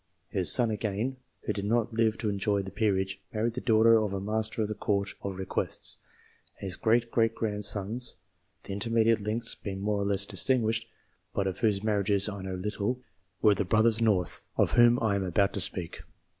His son again who did not live to enjoy the peerage married the daughter of a Master of the Court of Requests, and his great great grandsons the inter mediate links being more or less distinguished, but of whose marriages I know little were the brothers North, of whom I am about to speak.